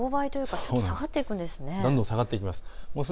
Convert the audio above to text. どんどん下がっていきます。